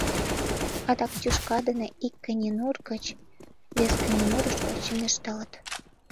Адак тӱшка дене ик кыненур гыч вес кыненурышко чоҥештылыт.